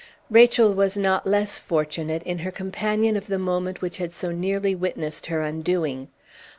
Rachel was not less fortunate in her companion of the moment which had so nearly witnessed her undoing.